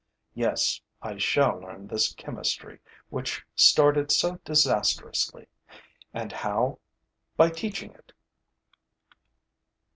Yes, I shall learn this chemistry, which started so disastrously. And how? By teaching it.